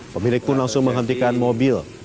pemilik pun langsung menghentikan mobil